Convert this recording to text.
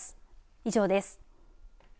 以上です。